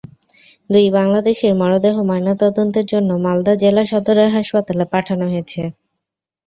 দুই বাংলাদেশির মরদেহ ময়নাতদন্তের জন্য মালদা জেলা সদরের হাসপাতালে পাঠানো হয়েছে।